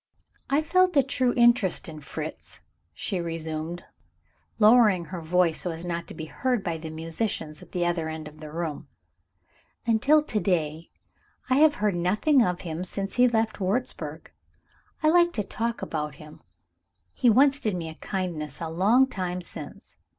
"I feel a true interest in Fritz," she resumed, lowering her voice so as not to be heard by the musicians at the other end of the room. "Until to day, I have heard nothing of him since he left Wurzburg. I like to talk about him he once did me a kindness a long time since.